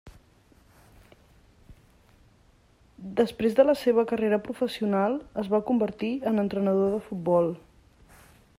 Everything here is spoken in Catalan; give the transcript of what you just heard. Després de la seva carrera professional, es va convertir en entrenador de futbol.